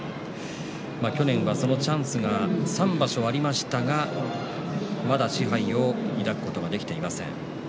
去年は、そのチャンスが３場所ありましたがまだ賜盃を抱くことができていません。